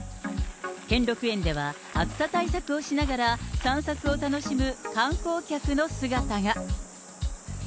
兼六園では暑さ対策をしながら、散策を楽しむ観光客の姿が。